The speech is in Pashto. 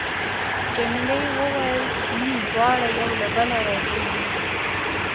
جميلې وويل: موږ دواړه یو له بله راضي یو.